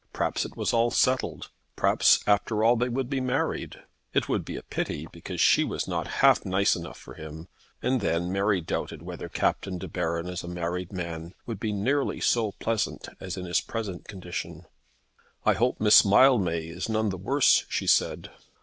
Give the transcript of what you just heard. Perhaps it was all settled. Perhaps, after all, they would be married. It would be a pity, because she was not half nice enough for him. And then Mary doubted whether Captain De Baron as a married man would be nearly so pleasant as in his present condition. "I hope Miss Mildmay is none the worse," she said.